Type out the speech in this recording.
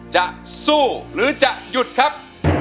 จะสู้หรือจะหยุดครับ